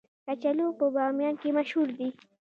کچالو په بامیان کې مشهور دي